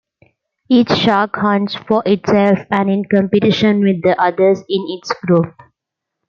Each shark hunts for itself and in competition with the others in its group.